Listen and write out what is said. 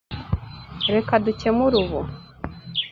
Reka dukemure ubu.